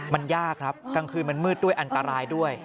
มันยากครับกลางคืนมันมืดด้วยอันตรายด้วย